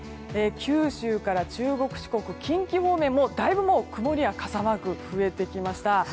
九州から中国・四国、近畿方面もだいぶもう曇りや傘マーク増えてきました。